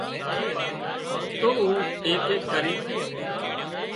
تو او ايڪ ايڪ ڪرينَ